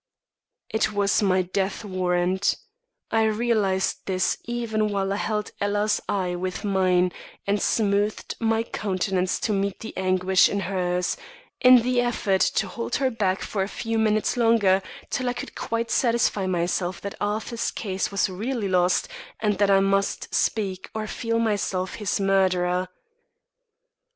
It was my death warrant. I realised this even while I held Ella's eye with mine and smoothed my countenance to meet the anguish in hers, in the effort to hold her back for a few minutes longer till I could quite satisfy myself that Arthur's case was really lost and that I must speak or feel myself his murderer.